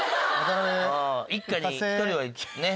一家に１人はね。